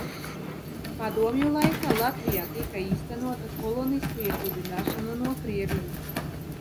Padomju laikā, Latvijā tika īstenota kolonistu iepludināšana no Krievijas.